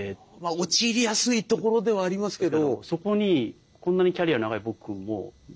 陥りやすいところではありますけど。